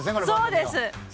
そうです！